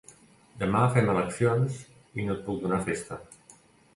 Demà fem eleccions i no et puc donar festa.